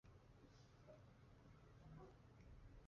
直隶辛卯乡试。